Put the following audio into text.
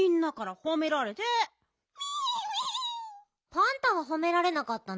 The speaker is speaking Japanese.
パンタはほめられなかったの？